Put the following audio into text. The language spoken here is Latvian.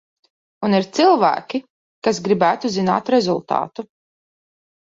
Un ir cilvēki, kas gribētu zināt rezultātu.